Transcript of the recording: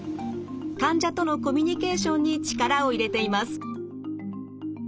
患者とのコミュニケーションに力を入れています。